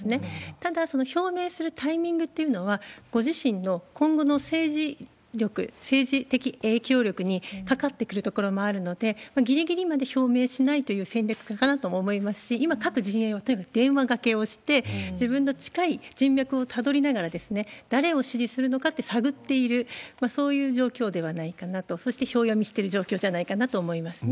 ただ、その表明するタイミングっていうのは、ご自身の今後の政治力、政治的影響力にかかってくるところもあるので、ぎりぎりまで表明しないという戦略かなと思いますし、今、各陣営はとにかく電話がけをして、自分の近い人脈をたどりながら、誰を支持するのかって探っている、そういう状況ではないかなと、そして票読みしてる状況じゃないかなと思いますね。